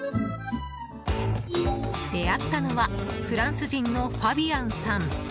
出会ったのは、フランス人のファビアンさん。